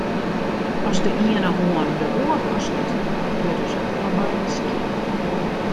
As de iene hân de oar wasket, wurde se allebeide skjin.